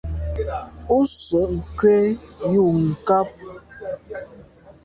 Ú sə̂’ nkwé yu nkàb.